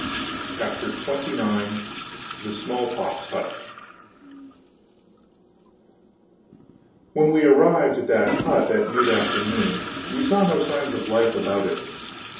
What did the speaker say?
CHAPTER XXIX THE SMALLPOX HUT When we arrived at that hut at mid afternoon, we saw no signs of life about it.